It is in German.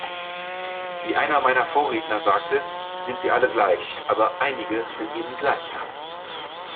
Wie einer meiner Vorredner sagte, sind wir alle gleich, aber einige sind eben gleicher.